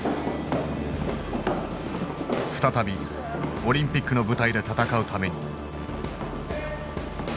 再びオリンピックの舞台で戦うために。